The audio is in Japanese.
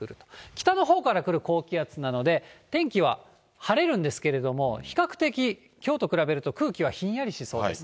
北のほうから来る高気圧なので、天気は晴れるんですけれども、比較的きょうと比べると、空気はひんやりしそうです。